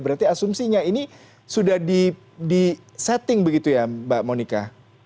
berarti asumsinya ini sudah di setting begitu ya mbak monika